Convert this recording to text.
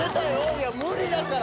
いや無理だから。